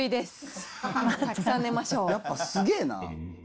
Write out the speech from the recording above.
やっぱすげぇな。